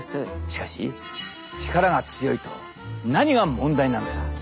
しかし力が強いと何が問題なのか？